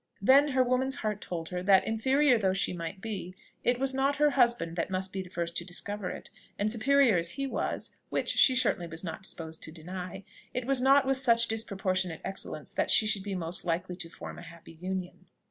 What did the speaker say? Then her woman's heart told her, that inferior though she might be, it was not her husband that must be the first to discover it; and superior as he was, which she certainly was not disposed to deny, it was not with such disproportionate excellence that she should be most likely to form a happy union.